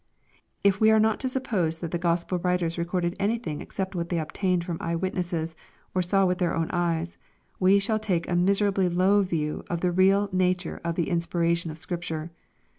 If we are not to suppose the Q ospel writers recorded anything except what they obtained from eye witnesses, or saw with their own eyes, we shall take a miserably low view of the real nature of the inspiration of Scripture.